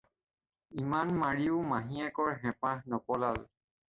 ইমান মাৰিও মাহীয়েকৰ হেঁপাহ নপলাল।